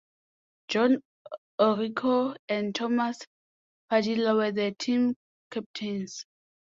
John Orrico and Thomas Padilla were the team captains.